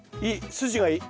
筋がいい。